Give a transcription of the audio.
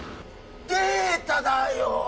データだよ